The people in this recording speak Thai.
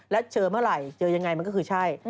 แล้วเจอเมื่อไหร่เจอยังไงมันก็คือใช่